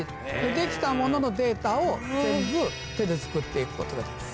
できたもののデータを全部手で作って行くことができる。